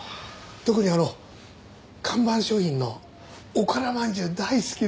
特にあの看板商品のおから饅頭大好きで。